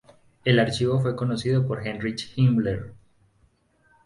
El archivo fue conocido por Heinrich Himmler.